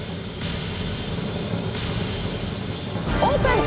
オープン！